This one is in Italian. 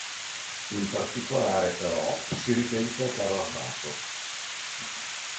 In particolare, però, si riferisce al carro armato.